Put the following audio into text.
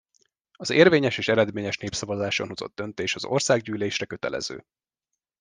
Az érvényes és eredményes népszavazáson hozott döntés az Országgyűlésre kötelező.